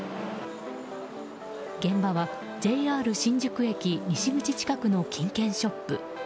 現場はＪＲ新宿駅西口近くの金券ショップ。